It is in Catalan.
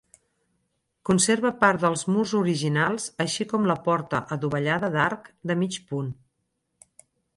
Conserva part dels murs originals així com la porta adovellada d'arc de mig punt.